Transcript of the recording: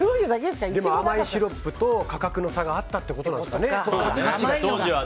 でも甘いシロップと価格の差があったということですね、当時。